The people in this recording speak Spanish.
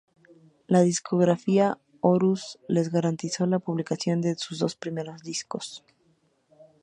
La discográfica Horus les garantizó la publicación de sus dos primeros discos.